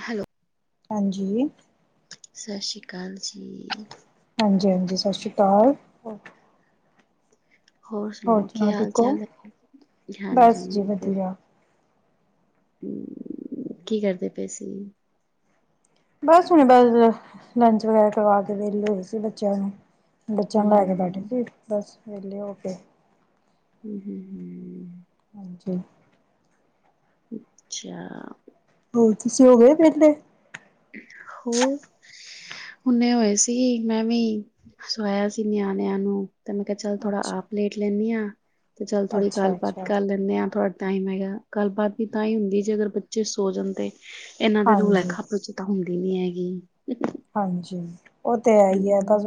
Hello.. ਹਾਂਜੀ। ਸਤਿ ਸ਼੍ਰੀ ਅਕਾਲ ਜੀ। ਹਾਂਜੀ -ਹਾਂਜੀ ਸਤਿ ਸ਼੍ਰੀ ਅਕਾਲ। ਹੋਰ ਸੁਣਾਓ ਕੀ ਹਾਲ-ਚਾਲ ਹੈ, ਹਾਂਜੀ। ਬਸ ਜੀ ਵਧੀਆ। ਕੀ ਕਰਦੇ ਪਏ ਸੀ? ਬਸ ਹੁਣੇ ਬਸ ਲੰਚ ਵਗੈਰਾ ਕਰਵਾ ਕੇ ਵੇਲੇ ਹੋਏ ਸੀ ਬੱਚਿਆਂ ਨੂੰ। ਬੱਚਿਆਂ ਨੂੰ ਲੈ ਕੇ ਬੈਠੇ ਹਮ ਸੀ ਬਸ। ਵਧੀਆ ਓਕੇ। ਹੂੰ ਹੂੰ ਹੂੰ ਸਹੀ। ਅੱਛਾ। ਹੋਰ ਤੁਸੀਂ ਹੋ ਗਏ ਵਹਿਲੇ? ਹੋਰ ਹੁਨੇ ਹੋਏ ਸੀ ਮੈਂ ਵੀ ਸੁਵਾਇਆ ਸੀ ਨਿਆਣਿਆਂ ਨੂੰ। ਤੇ ਮੈਂ ਕਿਹਾ ਚੱਲ ਥੋੜ੍ਹਾ ਅੱਛਾ, ਆਪ ਲੇਟ ਲੈਂਨੀ ਆ। ਤੇ ਚੱਲ ਥੋੜ੍ਹੀ ਗੱਲਬਾਤ ਅੱਛਾ-ਅੱਛਾ ਕਰ ਲੈਂਨੇ ਆ ਥੋੜਾ ਟਾਈਮ ਹੈਗਾ ਗੱਲਬਾਤ ਵੀ ਤਾਂ ਹੀ ਹੁੰਦੀ ਜੇ ਅਗਰ ਬੱਚੇ ਸੋ ਜਾਂਦੇ। ਇਹਨਾਂ ਦੇ ਰੋਲੇ ਹਾਂਜੀ। ਖੱਪ 'ਚ ਹੁੰਦੀ ਨੀ ਹੈਗੀ। ਹਾਂਜੀ ਉਹ ਤੇ ਹੈ ਹੀ ਹੈ ਹਮ ਬਸ,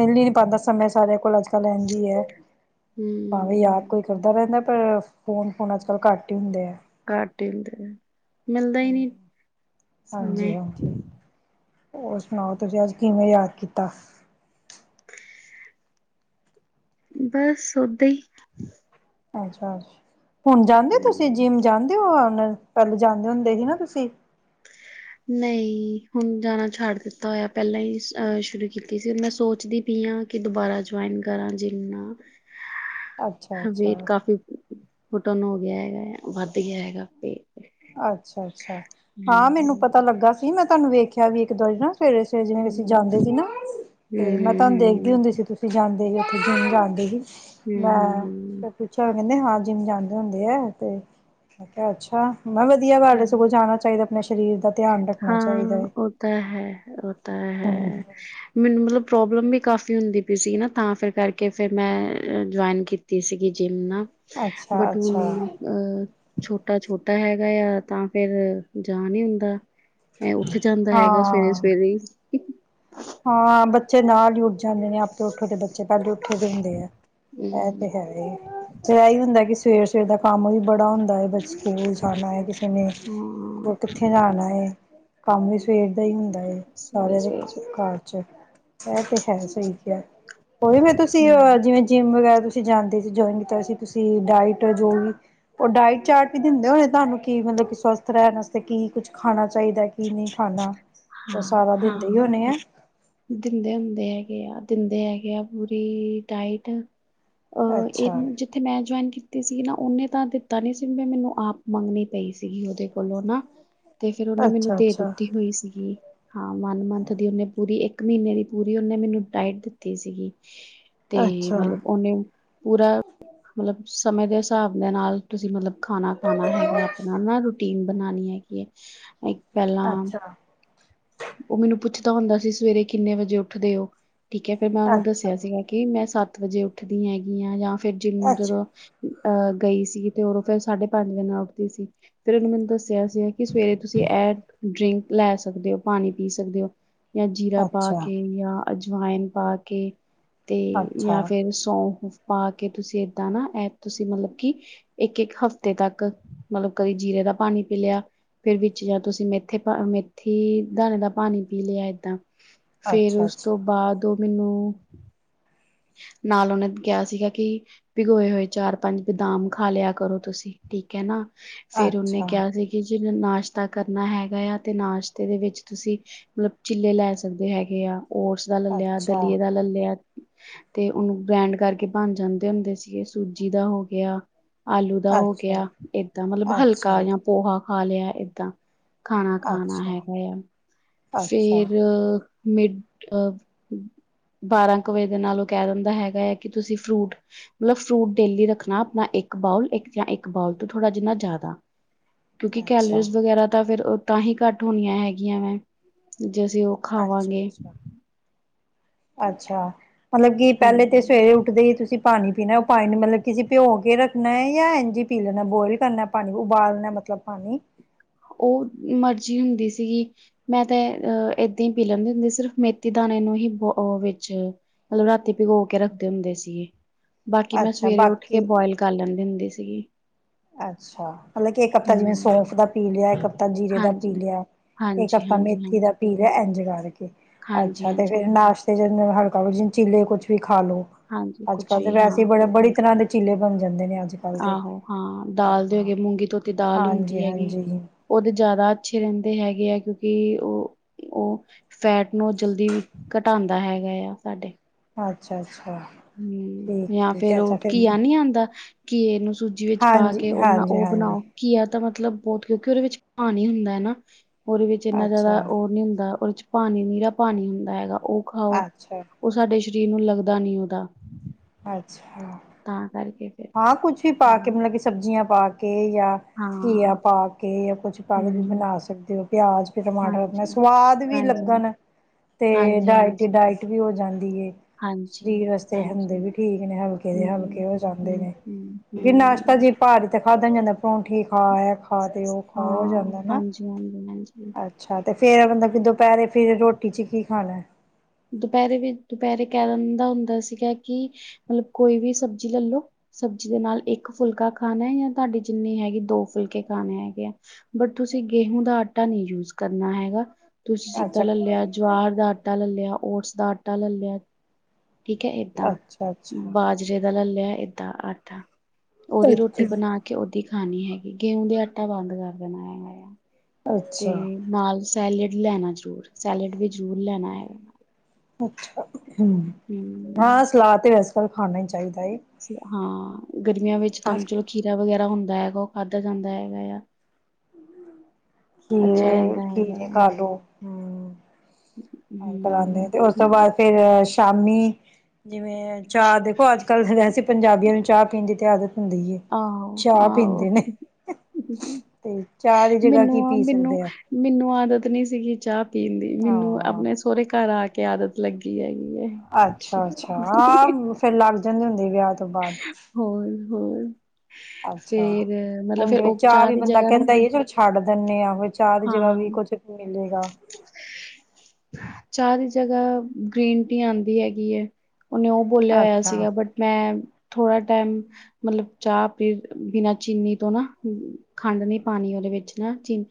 ਮਿਲ ਹੀ ਨੀ ਪਾਂਦਾ ਸਮੇਂ ਸਾਰਿਆਂ ਕੋਲ ਅੱਜ ਕੱਲ ਇੰਝ ਈ ਏ, ਭਾਵੇਂ ਯਾਦ ਹਮ ਕੋਈ ਕਰਦਾ ਰਹਿੰਦਾ ਪਰ ਫੋਨ ਫਾਨ ਅੱਜਕੱਲ੍ਹ ਘੱਟ ਹੀ ਹੁੰਦੇ ਆ। ਘੱਟ ਈ ਹੁੰਦੇ ਆ। ਮਿਲਦਾ ਹੀ ਨਹੀਂ, ਸਮੇ। ਹਾਂਜੀ-ਹਾਂਜੀ ਹੋਰ ਸੁਣਾਓ ਤੁਸੀਂ ਅੱਜ ਕਿਵੇਂ ਯਾਦ ਕੀਤਾ। ਬਸ ਓਦਾਂ ਹੀ। ਅੱਛਾ-ਅੱਛਾ। ਹੁਣ ਜਾਂਦੇ ਹੋ ਤੁਸੀਂ ਹਮ। ਜਿੰਮ ਜਾਂਦੇ ਹੋ। ਹੁਣ ਪਹਿਲੇ ਜਾਂਦੇ ਹੁੰਦੇ ਸੀ ਨਾ ਤੁਸੀਂ। ਨਹੀਂ ਹੁਣ ਜਾਣਾ ਛੱਡ ਦਿੱਤਾ ਹੋਇਆ ਪਹਿਲਾਂ ਹੀ ਸ਼ੁਰੂ ਕੀਤੀ ਸੀ ਮੈਂ ਸੋਚਦੀ ਪਈ ਹਾਂ ਕਿ ਦੁਬਾਰਾ ਜੁਆਇਨ ਕਰਾਂ ਜਿੰਮ। ਅੱਛਾ ਵੇਟ ਅੱਛਾ ਕਾਫ਼ੀ ਪੁਟ ਔਨ ਹੋ ਗਿਆ ਐ ਵੱਧ ਗਿਆ ਹੈਗਾ। ਪੇ ਅੱਛਾ-ਅੱਛਾ ਹਾਂ ਮੈਨੂੰ ਹਮ ਪਤਾ ਲੱਗਾ ਸੀ ਮੈਂ ਤੁਹਾਨੂੰ ਵੇਖਿਆ ਵੀ ਇੱਕ ਦਿਨ ਨਾ। ਸਵੇਰੇ-ਸਵੇਰੇ ਜਿਵੇਂ ਤੁਸੀਂ ਹਮ ਜਾਂਦੇ ਸੀ ਨਾ, ਤੇ ਮੈਂ ਹਮ ਤੁਹਾਨੂੰ ਹਮ ਦੇਖਦੀ ਹੁੰਦੀ ਸੀ ਤੁਸੀਂ ਜਾਂਦੇ ਤੇ ਉੱਥੇ ਜਿੰਮ ਜਾਂਦੇ ਸੀ। ਹਮ ਹਮ ਹਮ ਮੈਂ, ਹਮ ਫਿਰ ਪੁੱਛਿਆ ਉਹ ਕਹਿੰਦੇ ਹਾਂ ਜਿਮ ਜਾਂਦੇ ਹੁੰਦੇ ਆ ਤੇ, ਮੈਂ ਕਿਹਾ ਅੱਛਾ। ਮੈਂ ਵਧੀਆ ਗੱਲ ਹਮ ਸਗੋਂ ਜਾਣਾ ਚਾਹੀਦਾ। ਮੈਂ ਸਰੀਰ ਦਾ ਧਿਆਨ ਰੱਖਣਾ ਚਾਹੀਦਾ ਹਾਂ ਹੈ ਉਹ ਤਾਂ ਹੈ, ਉਹ ਤਾਂ ਹੈ ਹਮ ਮੈਨੂੰ ਮਤਲਬ ਪ੍ਰੋਬਲਮ ਵੀ ਕਾਫ਼ੀ ਹੁੰਦੀ। ਸੀਗੀ ਨਾ ਤਾਂ ਫਿਰ ਕਰਕੇ ਫਿਰ ਮੈਂ ਜੁਆਇਨ ਕੀਤੀ ਸੀਗੀ ਜਿੰਮ ਨਾਲ ਅੱਛਾ ਅੱਛਾ ਬਟਨ ਅਹ ਛੋਟਾ ਛੋਟਾ ਹੈਗਾ ਆ ਤਾਂ ਫੇਿਰ ਜਾ ਨ ਹੀ ਹੁੰਦਾ ਇਹ ਉੱਠ ਜਾਂਦਾ ਹੈਗਾ ਸਵੇਰੇ ਹਾਂ ਸਵੇਰੇ ਹੀ [unintelligible] ਹਾਂ ਬੱਚੇ ਨਾਲ ਹੀ ਉੱਠੇ ਜਾਂਦੇ ਨੇ ਆਪਣੇ ਉੱਠੋ ਦੇ ਬੇ ਪਹਿਲੇ ਉੱਠੇ ਦੇ ਹੁੰਦੇ ਆ ਇਹ ਤੇ ਹੂੰ। ਹੈ ਹੀ ਜੇ ਇਹੀ ਹੁੰਦਾ ਕਿ ਸਵੇਰ ਸਵੇਰ ਦਾ ਕੰਮ ਵੀ ਬੜਾ ਹੁੰਦਾ ਹੈ ਬ ਸਕੂਲ ਜਾਣਾ ਹੈ ਕਿਸੇ ਨੇ ਹੂੰ ਕਿੱਥੇ ਜਾਣਾ ਹੈ ਕੰਮ ਵੀ ਸਵੇਰ ਦਾ ਹੀ ਹੁ ਸਾਰਿਆਂ ਦੇ ਘਰ ਚ ਇਹ ਤੇ ਹੈ ਸਹੀ ਕਿਹਾ ਕੋਈ ਫ ਤੁਸੀਂ ਜਿਵੇਂ ਜਿੰਮ ਵਗੈਰਾ ਤੁਸੀਂ ਜਾਂਦੇ ਸੀ ਜਇਨ ਕੀਤਾ ਸੀ ਤੁਸੀ ਡਾਇਟ ਜੋ ਵੀ ਉਹ ਡਾਇਟ ਚਾਰਟ ਵੀ ਦਿੰਦੇ ਹੋਣੇ ਤੁਹਾਨੂੰ ਕਿ ਮਤਲਬ ਸਵਸਥ ਰਹਿਣ ਵਾਸਤੇ ਕੀ ਕੁਛ ਖਾਣਾ ਚਾਹੀਦਾ ਕੀ ਨਹੀਂ ਖਾਣਾ ਉਹ ਸਾਰਾ ਹਾਂ-ਹਾਂ ਦਿੰਦੇ ਹੀ ਹੋਣੇ ਆ ਦਿੰਦੇ ਹੁੰਦੇ ਹੈਗੇ ਆ ਦਿੰਦੇ ਹੈਗੇ ਆ ਪੂਰੀ ਡਾਈਟ ਅਹ ਇਹ ਅੱਛਾ ਜਿੱਥੇ ਮੈਂ ਜੁਆਇਨ ਕੀਤੀ ਸੀ ਨਾ ਉਹਨੇ ਤਾਂ ਦਿੱਤਾ ਨੀ ਸੀ ਮੈਨੂੰ ਆਪ ਮੰਗਣੀ ਪਈ ਸੀ ਗੀ ਉਹਦੇ ਕੋਲੋਂ ਨਾ ਤੇ ਫ਼ਿਰ ਉਹਨੇ ਮੈਨੂੰ ਅੱਛਾ ਦੇ ਅੱਛਾ ਦਿੱਤੀ ਹੋਈ ਸੀ ਜ ਹਾਂ ਵਨ ਮੰਥ ਦੀ ਉਹਨੇ ਪੂਰੀ ਇੱਕ ਇੱਕ ਮਹੀਨੇ ਦੀ ਪੂਰੀ ਉਹਨੇ ਮੈਨੂੰ ਡਾਇਟ ਦਿੱਤੀ ਸੀ ਗੀ ਤੇ ਅੱਛਾ ਮਤਲਬ ਉਹਨੇ ਪੂਰਾ ਮਤਲਬ ਸਮੇਂ ਦੇ ਹਿਸਾਬ ਦੇ ਨਾਲ ਤੁਸੀਂ ਮਤਲਬ ਖਾਣਾ ਖਾਣਾ ਹੈਗਾ ਆਪਣਾ ਨਾ ਰ ਟੀਮ ਬਣਾਉਣੀ ਹੈ ਕਿ ਪਹਿਲਾ ਅੱਛਾ ਉਹ ਮੈਨੂੰ ਪੁੱਛਦਾ ਹੁੰਦਾ ਸੀ ਸਵੇਰੇ ਕਿੰਨੇ ਵਜੇ ਉੱਠਦੇ ਹੋ ਠੀਕ ਹੈ ਫਿਰ ਮੈਂ ਉਹਨੂੰ ਅੱਛਾ ਦੱਸਿਆ ਸੀਗਾ ਕਿ ਮੈਂ ਸੱਤ ਸੱਤ ਵਜੇ ਉੱਠਦੀਆਂ ਹੈਗੀਆਂ ਜਾਂ ਫਿਰ ਜਿਨਦਰੋ ਅਹ ਗਈ ਸੀ ਤੇ ਉਦੋ ਫੇਿਰ ਸਾਢੇ ਪੰਜ ਵਜੇ ਉੱਠਦੀ ਸੀ ਫਿਰ ਇਹਨੂੰ ਮੈਨੂੰ ਦੱਸਿਆ ਸੀ ਕਿ ਸਵੇਰੇ ਤੁਸੀਂ ਐਡ ਡਰਿੰਕ ਲੈ ਸਕਦੇ ਹੋ ਪਾਣੀ ਪੀ ਸਕਦੇ ਹੋ ਜਾਂ ਜੀਰਾ ਅੱਛਾ ਪਾ ਅੱਛਾ ਕੇ ਜਾਂ ਅਜਵਾਇਨ ਪਾ ਕੇ ਅਤੇ ਅੱਛਾ ਜਾਂ ਅੱਛਾ ਫਿਰ ਸੌਂਫ ਪਾ ਕੇ ਤੁਸੀਂ ਇਦਾਂ ਨਾ ਇਹ ਤੁਸੀਂ ਮਤਲਬ ਕਿ ਇੱਕ ਇੱਕ ਹਫ਼ਤੇ ਤੱਕ ਮਤਲਬ ਕਦੇ ਜੀਰੇ ਦਾ ਪਾਣੀ ਪੀ ਲਿਆ ਫਿਰ ਵਿੱਚ ਜਾਂ ਤੁਸੀਂ ਮੇਥੇ ਪਾ ਮੇਥੀ ਦਾਣੇ ਦਾ ਪਾਣੀ ਪੀ ਲਿਆ ਏਦਾਂ ਫੇਰ ਉਸ ਤੋਂ ਬਾਅਦ ਉਹ ਮੈਨੂੰ ਨਾਲ ਉਹਨੇ ਕਿਹਾ ਸੀਗਾ ਕੀ ਭਿਗੋਏ ਹੋਏ ਚਾਰ ਪੰਜ ਬਦਾਮ ਖਾ ਲਿਆ ਕਰੋ ਤੁਸੀਂ ਠੀਕ ਹੈ ਨਾ ਅੱਛਾ ਫੇਰ ਉਹਨੇ ਅੱਛਾ ਕਿਹਾ ਸੀ ਕਿ ਜਿਵੇਂ ਨਾਸ਼ਤਾ ਕਰਨਾ ਹੈਗਾ ਆ ਤੇ ਨਾਸ਼ਤੇ ਦੇ ਵਿੱਚ ਤੁਸੀਂ ਮਤਲਬ ਚਿੱਲੇ ਲੈ ਸਕਦੇ ਹੈਗੇ ਆ ਓਟਸ ਦਾ ਲਏ ਲਿਆ ਅੱਛਾ ਦਲੀਏ ਦਾ ਲਏ ਲਿਆ ਤੇ ਉਹਨੂੰ ਗ੍ਰੈਂਡ ਕਰਕੇ ਬਣ ਜਾਂਦੇ ਹੁੰਦੇ ਸੀਗੇ ਸੂਜੀ ਦਾ ਹੋ ਗਿਆ ਆਲੂ ਦਾ ਹੋ ਅੱਛਾ, ਗਿਆ ਏਦਾਂ ਮਤਲਬ ਅੱਛਾ, ਹਲਕਾ ਜਾਂ ਪੋਹਾ ਖਾ ਲਿਆ ਏਦਾਂ ਖਾਣਾ ਅੱਛਾ, ਖਾਣਾ ਅੱਛਾ, ਹੈਗਾ ਆ ਅੱਛਾ। ਫੇਰ ਮਿਡ ਬਾਰਾਂ ਦੇ ਨਾਲ ਉਹ ਕਹਿ ਦਿੰਦਾ ਹੈਗਾ ਹੈ ਕਿ ਤੁਸੀਂ ਫਰੂਟ ਮਤਲਬ ਫਰੂਟ ਡੇਲੀ ਰੱਖਣਾ ਆਪਣਾ ਇੱਕ ਬਾਊਲ ਇੱਕ ਜਾਂ ਇੱਕ ਬਾਊਲ ਤੋਂ ਥੋੜ੍ਹਾ ਜਿਨਾ ਜ਼ਿਆਦਾ ਕਿਉਂਕਿ ਕੈਲਰੀਜ਼ ਵਗੈਰਾ ਤਾਂ ਫਿਰ ਤਾਂ ਹੀ ਘੱਟ ਹੋਣੀਆਂ ਹੈਗੀਆਂ ਵੈਂ ਜੇ ਅਸੀਂ ਉਹ ਅੱਛਾ, ਖਾਵਾਂਗੇ ਅੱਛਾ, ਅੱਛਾ ਮਤਲਬ ਕਿ ਪਹਿਲੇ ਤੇ ਹਮ ਸਵੇਰੇ ਉੱਠਦੇ ਹੀ ਤੁਸੀਂ ਪਾਣੀ ਪੀਣਾ ਉਹ ਪਾਣੀ ਮਤਲਬ ਕਿਸੀ ਭਿਓ ਕੇ ਰੱਖਣਾ ਜਾਂ ਇੰਝੀ ਪੀ ਲੈਣਾ ਬੋਇਲ ਕਰਨਾ ਪਾਣੀ ਉਬਾਲਣਾ ਮਤਲਬ ਪਾਣੀ ਉਹ ਮਰਜ਼ੀ ਹੁੰਦੀ ਸੀਗੀ ਮੈਂ ਤਾਂ ਅਹ ਏਦਾਂ ਹੀ ਪੀ ਲੈਂਦੀ ਹੁੰਦੀ ਸਿਰਫ ਮੇਥੀ ਦਾਣੇ ਨੂੰ ਹੀ ਬ ਵਿੱਚ ਮਤਲਬ ਰਾਤੀ ਭਿਗੋ ਕੇ ਰੱਖਦੇ ਹੁੰਦੇ ਸੀਗੇ ਬਾਕੀ ਮੈਂ ਅੱਛਾ ਸਵੇਰੇ ਉੱਠ ਕੇ ਬਾਕੀ ਬੋਇਲ ਕਰ ਲੈਂਦੀ ਹੁੰਦੀ ਸੀ ਸੀ ਅੱਛਾ ਮਤਲਬ ਕਿ ਇੱਕ ਹਫ਼ਤਾ ਜਿਵੇਂ ਹਮ ਸੌਂਫ ਦਾ ਪੀ ਲਿਆ ਇੱਕ ਹਫ ਤਾਂ ਜੀਰੇ ਦਾ ਪੀ ਹਾਂਜੀ ਲਿਆ ਇੱਕ ਹਾਂਜੀ ਕਰਤਾ ਹਾਂਜੀ ਮੇਥੀ ਹਾਂਜੀ ਦਾ ਪੀ ਲਿਆ ਇੰਜ ਕਰ ਹਾਂਜੀ ਅੱਛਾ ਤੇ ਹਾਂਜੀ ਫਿਰ ਨਾਸ਼ ਤੇ ਹਲਕਾ ਚੀਲੇ ਕੁੱਛ ਵੀ ਖਾ ਲਓ ਹਾਂਜੀ ਅੱਜ ਕੁੱਝ ਕੱਲ੍ਹ ਤੇ ਵੀ ਵੈਸੇ ਹਾਂ ਬੜੇ ਬੜੀ ਤਰ੍ਹਾਂ ਦੇ ਚੀਲੇ ਬਣਦੇ ਜਾਂਦੇ ਨੇ ਅੱਜ ਕੱਲ੍ਹ ਦੇ ਆਹੋ ਹਾਂ ਦਾਲ ਦੇ ਹੋਗੇ ਮੂੰਗੀ ਧੋਤੀ ਦਾਲ ਹੁੰਦੀ ਹੈਗੀ ਹਾਂਜੀ-ਹਾਂਜੀ, ਉਹਦੇ ਜ਼ਿਆਦਾ ਅੱਛੇ ਰਹਿੰਦੇ ਹੈਗੇ ਆ ਕਿਉਂਕਿ ਉਹ ਉਹ ਫੈਟ ਨੂੰ ਜਲਦੀ ਘਟਾਉਂਦਾ ਹੈਗਾ ਆ ਸਾਡੇ ਅੱਛਾ ਅ ਹਮ ਜਾਂ ਫੇਿਰ ਅੱਛਾ ਉਹ ਫਿਰ ਘਿਆ ਨਹੀਂੀ ਆਉਂਦਾ ਕੀ ਇਹਨੂੰ ਸੂਜੀ ਵਿੱਚ ਪਾ ਕੇ ਉਹਨਾ ਉਹ ਹਾਂਜੀ-ਹਾਂਜੀ-ਹਾਂਜੀ, ਬਣਾਓ ਘਿਆ ਤਾਂ ਮਤਲਬ ਮਤਲਬ ਬਹੁਤ ਕਿਉਂਕਿ ਉਹਦੇ ਵਿੱਚ ਪਾਣੀ ਹੀ ਹੁੰਦਾ ਹੈ ਨਾ ਉਹਦੇ ਵਿੱਚ ਇੰਨਾ ਜ਼ਿਆਦਾ ਅੱਛਾ-ਅੱਛਾ। ਉਹ ਨਹੀਂੀ ਹੁੰਦਾ ਉਹ ਚ ਪਾਣੀ ਨੀਰਾ ਪਾਣੀ ਹੁੰਦਾ ਹੈਗਾ ਉਹ ਖਾਓ ਅੱਛਾ, ਉਹ ਸਾਡੇ ਸ਼ਰੀਰ ਨੂੰ ਲੱਗਦਾ ਨੀਦਾ ਹਾਂ [unintelligible] ਅੱਛਾ ਫਿਰ ਹਾਂ ਕੁੱਛ ਵੀ ਪਾ ਕੇ ਹਮ, ਮਤਲਬ ਕਿ ਸਬਜ਼ੀਆਂ ਬਾਕੀ ਕੇ ਜਾਂ ਘੀਆ ਹਾਂ ਪਾ ਕੇ ਜਾਂ ਕੁਛ ਪਾ ਕੇ ਵੀ ਹਮ ਬਣਾ ਸਕਦੇ ਹੋ ਪਿਆਜ ਤੇ ਟਮਾਟਰ ਆਪਣਾ ਹਾਂਜੀ, ਸਵਾਦ ਵੀ ਹਾਂਜੀ, ਅਲੱਗਣ, ਤੇ ਹਾਂਜੀ, ਡਾਇਟ ਹਾਂਜੀ, ਡਾਇਟ ਵੀ ਹੋ ਜਾਂਦੀ ਹੈ ਹਾਂਜੀ, ਸਰੀਰ ਵਾਸਤੇ ਹੈਲਦੀ ਹਾਂਜੀ, ਵੀ ਨੇ ਹਲਕੇ ਦੇ ਹੂੰ, ਹਲਕੇ ਉਹ ਚਾਹੁੰਦੇ ਹੂੰ, ਨੇ ਹੂੰ, ਕਿਉਂਕਿ ਨਾਸ਼ਤਾ ਹੂੰ, ਜੀ ਭਾਰੀ ਤੇ ਖਾ [inaudible] ਪ੍ਰੋਭੋਂਠੀ ਖਾ ਤੇ ਇਹ ਖਾ ਤੇ ਉਹ ਖਾ ਹੋ ਹਾਂ, ਜਾਂਦਾ ਹੈ ਨਾ ਹਾਂਜੀ, ਹਾਂਜੀ, ਹਾਂਜੀ। ਅੱਛਾ ਤੇ ਫੇਰ ਬੰਦਾ ਦੁਪਹਿਰੇ ਫਿਰ ਰੋਟੀ ਚ ਕੀ ਖਾਣਾ ਏ ਦੁਪਹਿਰੇ ਵੀ ਦੁਪਹਿਰੇ ਕਹਿ ਦਿੰਦਾ ਹੁੰਦਾ ਸੀਗਾ ਕਿ ਮਤਲਬ ਕੋਈ ਵੀ ਸਬਜ਼ੀ ਲੈ ਲੋ ਸਬਜ਼ੀ ਦੇ ਨਾਲ ਇੱਕ ਫੁਲਕਾ ਖਾਣਾ ਜਾਂ ਤੁਹਾਡੀ ਜਿੰਨੀ ਹੈਗੀ ਦੋ ਫੁਲਕੇ ਖਾਣੇ ਹੈਗੇ ਆ ਬਟ ਤੁਸੀਂ ਗੇਹੂ ਦਾ ਆਟਾ ਨਹੀਂ ਯੂਜ ਕਰਨਾ ਨਾ ਹੈਗਾ ਤੁਸੀਂ ਸਿੱਧਾ ਅੱਛਾ ਲੈ ਲਿਆ ਜਵਹਰ ਦਾ ਆਟਾ ਲੈ ਲਿਆ ਓਟਸ ਦਾ ਆਟਾ ਲੈ ਲਿਆ ਠੀਕ ਹੈ ਏਦਾਂ ਅੱਛਾ ਅੱਛਾ ਬਾਜਰੇ ਦਾ ਲੇ ਲਿਆ ਲਿਆ ਏਦਾਂ ਆਟਾ ਉਹਦੀ ਰੋਟੀ ਅੱਛਾ ਬਣਾ ਕੇ ਉਹ ਖਾਣੀ ਹੈਗੀ ਗੇਹੂ ਦੇ ਆਟਾ ਬੰਦ ਕਰ ਦੇਣਾ ਹੈਗਾ ਆ ਤੇ ਅੱਛਾ ਨਾਲ ਸੈਲੇਡ ਲੈਣਾ ਜ਼ਰੂਰ ਸੈਲੇਡ ਵੀ ਜ਼ਰੂਰ ਲੈਣਾ ਹੈਗਾ ਅੱਛਾ ਹਮ ਹਾਂ ਹੂੰ। ਸਲਾਦ ਤੇ ਐੱਸ ਤਰ੍ਹਾਂ ਵੀ ਖਾਣਾ ਹੀ ਚਾਹੀਦਾ ਏ ਹਾਂ ਗਰਮੀਆਂ ਵਿੱਚ ਤਾਂ ਚਲੋ ਅੱਛਾ ਖੀਰਾ ਵਗੈਰਾ ਹੁੰਦਾ ਦਾ ਹੈਗਾ ਉਹ ਖਾਧਾ ਜਾਂਦਾ ਹੈਗਾ ਆ ਅੱਛਾ ਖੀਰੇ ਰਹਿੰਦਾ ਹੈਗਾ ਖੀਰੇ ਆ ਖਾਾਲੋ ਹਮ ਕਰਉਦੇ ਆ ਹੂੰ ਤੇ ਉਸ ਤੋਂ ਠੀਕ ਬਾਅਦ ਫੇਰ ਸ਼ਾਮੀ ਜਿਵੇਂ ਚਾਹਅ ਦੇਖੋ ਅੱਜ ਕੱਲ ਵੈਸੇ ਪੰਜਾਬੀਆਂ ਨੂੰ ਚਾਹ ਪੀਣ ਦੀ ਤੇ ਆਦਤ ਹੁੰਦੀ ਏ ਆਹੋ ਚਾਹ ਆਹੋ ਪੀਂਦੇ ਨੇ ਤੇ ਚਾਹ ਦੀ ਜਗ੍ਹਾ ਕੀ ਮੈਨੂੰ ਆ ਪੀ ਮੈਨੂੰ ਸਕਦੇ ਆ ਮੈਨੂੰ ਆ [unintelligible] ਦੀ ਮੈਨੂੰ ਹਾਂ ਆਪਣੇ ਸਹੁਰੇ ਘਰ ਆ ਕੇ ਕੇ ਆਦਤ ਲੱਗੀ ਹੈਗੀ ਅੱਛਾ ਅੱਛਾ ਹੈ। ਹਾਂ ਫਿਰ ਲੱਗ ਜਾਂਦੇ ਹੁੰ ਆ ਵਿਆਹ ਤੋਂ ਬਾਅਦ ਹੋਰ ਹੋਰ - ਅਛਾ ਹੁਣ ਜਿਵੇਂ ਉਹ ਚਾਹ ਵੀ ਦੀ ਬੰਦਾ ਜਗ੍ਹਾ ਨਾ ਕਹਿਦਾ ਹੈ। ਚਲ ਛਡ [unintelligible] ਚਾਦੀ ਜਗ੍ਹਾ ਹਾਂ ਵੀ ਕੁਝ ਮਿਲੇਗਾ। ਚਾਹ ਦੀ ਜਗ੍ਹਾ ਗ੍ਰੀਨ ਟੀ ਆਉਦੀ ਹੈਗੀ ਹੈ। ਉਹਨੇ ਉਹ ਬੋਲਿਆ ਹੋਇਆ ਅੱਛਾ ਸੀਗਾ ਬਟ ਮੈ ਥੋੜਾ ਟਾਈਮ ਮਤਲਬ ਚਾਹ ਬਿਨਾ ਚੀਨੀ ਤੋ ਨਾ ਖੰਡ ਨੀ ਪਾਣੀ ਉਹਦੇ ਵਿਚ ਨਾ ਚੀਨੀ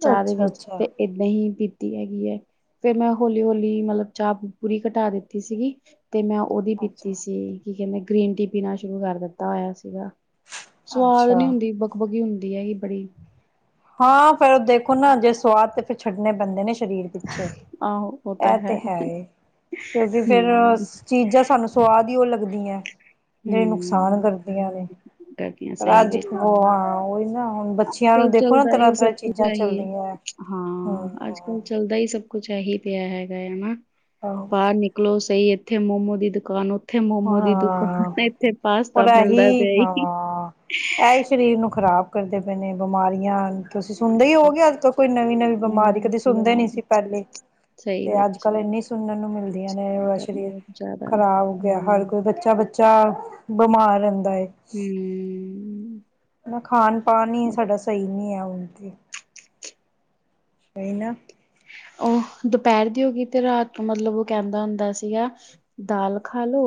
ਚਾਹ ਦੇ ਵਿਚ ਅੱਛਾ-ਅੱਛਾ, ਤੇ ਏਦਾ ਹੀ ਪੀ ਤੀ ਹੈਗੀ ਹੈ। ਫੇਰ ਮੈਂ ਹੌਲੀ- ਹੌਲੀ ਮਤਲਬ ਚਾਹ ਪੂਰੀ ਘਟਾ ਦਿਤੀ ਸੀਗੀ। ਅਤੇ ਮੈ ਉਹਦੀ ਪਿਤੀ ਸੀ। ਕੀ ਕਹਿਦੇ ਗ੍ਰੀਨ ਟੀ ਪੀਣਾ ਸ਼ੁਰੂ ਕਰ ਦਿਤਾ ਹੋਇਆ ਸੀਗਾ। ਸਵਾਦ ਅੱਛਾ-ਅੱਛਾ ਨੲਈ ਹੁੰਦੀ ਬਕਬੱਕੀ ਹੁੰਦੀ ਦੀ ਹੈਗੀ ਬੜੀ ਹਾਂ- ਫੇਰ ਦੇਖੋ ਨਾ ਜੇ ਸਵਾਦ ਛੱਡਨੇ ਪੈਂਦੇ ਨੇ ਸਰੀਰ ਪਿਛੇ ਆਹੋ ਉਹ ਤਾਂ ਇਹ ਤੇ ਹੈ ਕਿਉਕਿ ਫੇਰ ਹਮ ਚੀਜ਼ਾਂ ਸਾਨੂੰ ਸਵਾਦ ਹੀ ਉਹ ਲੱਗਦੀਆਂ ਜਿਹੜੇ ਨੁਕਸਾਨ ਹਮ ਕਰਦੀਆਂ ਨੇ ਗਰਮੀਆਂ ਪਰ ਸਹੀ ਅਜ ਵਿੱਚ ਉਹਾਂ ਉਹੀ ਨਾ- ਹੁਣ ਬੱਚਿਆਂ ਨੂੰ ਕੱਲ ਦੇਖੋ ਚੱਲਦਾ ਸਭ ਕੁਛ ਚੀਜ਼ਾਂ ਹੈ। ਹੀ ਹੈ। ਚੱਲਦੀਆਂ ਹਾਂ ਅਜ ਕਲ ਹੂੰ ਚਲਦਾ ਹੀ ਸਭ ਕੁਛ ਇਹੀ ਪਿਆ ਹੈਗਾ ਹਾਂ ਬਾਹਰ ਨਿਕਲੋ ਸਹੀ ਇਥੇ ਮੋਮੋ ਦੀ ਦੁਕਾਨ ਮੋਮੋ ਦੀ ਹਾਂ ਦੁਕਾਨ ਇੱਥੇ ਪਾਸਤਾ ਪਰ ਮਿਲਦਾ ਐਹੀ ਪਿਆ ਹੀ ਹਾਂ ਐਹੀ ਸਰੀਰ ਨੂੰ ਖਰਾਬ ਕਰਦੇ ਇਨੇ ਬਿਮਾਰੀਆਂ ਤੁਸੀ ਸੁਣਦੇ ਹੀ ਹੋਗੇ ਅਜ ਤ ਕੋਈ ਨਵੀ- ਨਵੀ ਬਿਮਾਰੀ ਹਮ, ਕਦੇ ਸੁਣਦੇ ਨਹੀਂ ਬਣਾਉਣਾ ਸੀ ਪਹਿਲੇ ਸਹੀ ਤੇ ਅਜ ਵਿੱਚ ਕਲ ਇਨੀ ਸੁਣਨ ਨੂੰ ਮਿਲਦੀਆਂ ਗੱਲ ਨੇ ਕਰ ਸਰੀਰ ਲਓ ਜ਼ਿਆਦਾ ਖਰਾਬ ਹਰ ਹਮ ਕੋਈ ਬੱਚਾ ਬੱਚਾ ਬਿਮਾਰ ਰਹਿਦਾ ਹਨ ਹਮ ਖਾਣ ਪਾਨ ਹੀ ਸਾਡਾ ਸਹੀ ਨਹੀ [unintelligible] ਕਹੀ ਨਾ- ਉਹ ਦੁਪਹਿਰ ਦੀ ਹੋ ਗਈ ਤੇ ਰਾਤ ਤੋਂ ਮਤਲਬ ਉਹ ਕਹਿਦਾ ਹੁੰਦਾ ਸੀਗਾ ਦਾਲ ਖਾ ਲੋ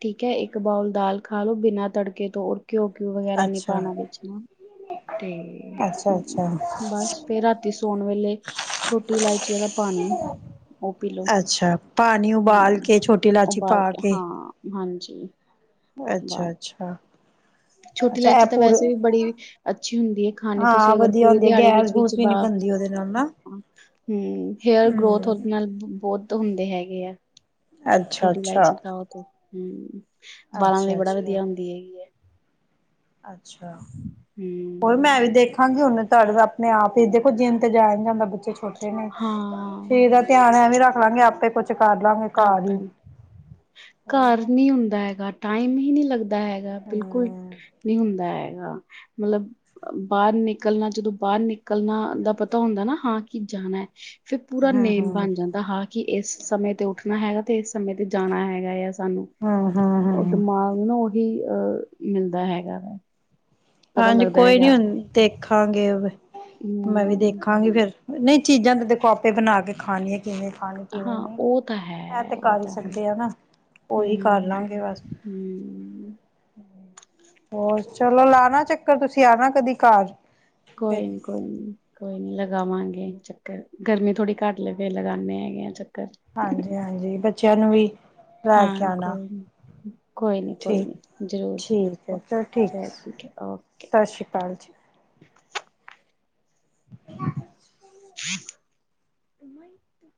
ਠੀਕ ਹੈ ਇਕ ਬਾਊਲ ਦਾਲ ਖਾ ਲੋ ਬਿਨਾ ਤੜਕੇ ਤੋ ਘਿਉ ਘਿਉ ਵਗੈਰਾ ਨਹੀ ਅੱਛਾ ਪਾਉਣਾ ਉਹਦੇ ਵਿਚ ਤੇ ਅੱਛਾ ਅੱਛਾ ਬਸ ਫੇਰ ਰਾਤੀ ਸੌਣ ਵੇਲੇ ਛੋ ਇਲਾਇਚੀ ਦਾ ਪਾਣੀ ਉਹ ਪੀ ਲਓ ਅੱਛਾ ਪਾਣੀ ਉਬਾਲ ਹੂ ਕੇ ਛੋਟੀ ਇਲਾਚੀ ਉਬਾਲ ਪਾ ਕੇ ਹਾਂ ਹਾਂਜੀ। ਵਾਹ ਅੱਛਾ ਅੱਛਾ। ਛੋਟੀ ਅੱਛਾ ਇਹ ਇਲਾਇਚੀ ਤਾਂ ਪੂਰੇ ਵੈਸੇ ਵੀ ਬੜੀ ਅੱਛੀ ਹੁੰਦੀ ਹੈ। ਖਾਣੇ ਹਾਂ ਤੁਸੀਂ ਅਗਰ ਵਧੀਆ ਪੂਰੇ ਹੁੰਦੀ ਹੈ ਦਿਹਾੜੀ ਗੈਸ ਵਿੱਚ ਗੂਸ ਵੀ ਚਬਾ ਨੀ ਬਣਦੀ ਉਹਦੇ ਨਾਲ ਹ ਨਾ ਹਮ ਹੇਅਰ ਗਰੋਥ ਹਮ ਉਹਦੇ ਨਾਲ। ਬਹੁਤ ਹੁੰਦੇ ਹੈਗੇ ਆ। ਅੱਛਾ ਅੱਛਾ। ਹਮ [inaudible] ਵਾਲਾਂ ਲਈ ਅੱਛਾ ਬੜਾ ਅੱਛਾ ਵਧੀਆ ਹੁੰਦੀ ਹੈਗੀ ਹੈ। ਅੱਛਾ ਹੋਰ ਮੈਂ ਵੀ ਹੂੰ ਦੇਖਾਂਗੀ ਹੁਨ। ਤੁਹਾਡੇ ਆਪਣੇ ਆਪ ਹੀ ਦੇਖੋ ਜਿਤੇ ਜਾਇਆ ਜਾਂਦਾ। ਛੋਟੇ ਨੇ ਹਾਂ ਠੀਕ ਦਾ ਧਿਆਨ ਐ ਵੀ ਰੱਖ ਲਾਂਗੇ ਆਪੇ। ਕੁਛ ਕਰ ਲਾਂਗੇ ਘਰ ਹੀ ਆਕਣ ਉਹੀ ਘਰ ਨਾ ਨੀ ਹੁੰਦਾ ਹੈਗਾ। ਟਾਈਮ ਹੀ ਨਹੀਂ ਲੱਗਦਾ। ਦਾ ਹੈਗਾ ਬਿਲਕੁਲ ਹਮ ਨਹੀਂ ਹੁੰਦਾ ਹੈਗਾ। ਮਤਲਬ ਬਾਹਰ ਨਿਕਲਣਾ ਜਦੋਂ ਬਾਹਰ ਨਿਕਲਣਾ ਦਾ ਪਤਾ ਹੁੰਦਾ ਨਾ ਹਾਂ ਕੀ ਜਾਣਾ ਹੈ। ਫਿਰ ਪੂਰਾ ਹਮ ਨੇਮ ਹਮ ਬਣ ਜਾਂਦਾ ਹਾਂ ਕਿ ਇਸ ਸਮੇਂ। [inaudible] ਹੈਗਾ ਤੇ ਇਸ ਸਮੇਂ ਤੇ ਜਾਣਾ ਹੈਗਾ ਆ। ਸਾਨੂੰ ਹਮ ਹਮ ਉਹ ਹਮ ਦਿਮਾਗ ਨਾ ਉਹਨੂੰ। ਵੀ ਅਹ ਮਿਲਦਾ ਹੈਗਾ ਵਾ। ਪਤਾ ਹਾਂਜੀ ਲੱਗਦਾ ਕੋਈ ਨੀ ਹੈਗਾ ਹੁਣ ਦੇਖਾਂਗੇ। ਮੈਂ ਵੀ ਹੂੰ ਦੇਖਾਂਗੀ ਫੇਰ। ਨਹੀਂ ਚੀਜ਼ਾਂ ਤੇ ਦੇਖੋ ਆਪੇ ਬਣਾ ਕੇ ਖਾਣੀਆਂ ਕਿਵੇਂ। ਖਾਣੀ ਹਾਂ ਕਿਵੇਂ ਨਹੀਂ ਉਹ ਤਾਂ ਇਹ ਹੈ ਤੇ ਉਹ ਕਰ ਹੀ ਤਾਂ ਹੈ ਸਕਦੇ ਆ ਨਾ ਹੂ ਉਹੀ ਕਰ ਲਾਂਗੇ ਬਸ ਹੂ। ਹੋਰ ਚਲੋ ਲਾਣਾ। ਚੱਕਰ ਤੁਸੀਂ ਆਣਾ ਕਦੀ ਘਰ। ਫਿਰ ਕੋਈ ਨੀ ਕੋਈ ਨੀ ਕੋਈ ਨੀ ਲਗਾਵਾਂਗੇ। ਚੱਕਰ ਗਰਮੀ ਥੋੜੀ ਘੱਟ ਲੇ ਫਿਰ ਲਗਾਉਦੇ ਹੈਗੇ ਆ ਚੱਕਰ। ਹਾਂਜੀ ਹਾਂਜੀ ਬੱਚਿਆਂ ਨੂੰ ਵੀ ਲੈ ਕੇ ਹਾਂ ਆਉਣਾ ਕੋਈ ਨੀ ਕੋਈ ਨੀ ਕੋਈ ਠੀਕ ਨੀ ਜ਼ਰੂਰ ਜੀ ਠੀਕ ਹੈ। ਚਲ ਠੀਕ ਚਲੋ ਹੈ ਓਕੇ ਸਤਿ ਸ੍ਰੀ ਅਕਾਲ ਜੀ। [inaudible] [unintelligible] [unintelligible] ਉਹਾਰ [unintelligible]